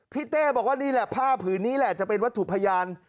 เต้บอกว่านี่แหละผ้าผืนนี้แหละจะเป็นวัตถุพยาน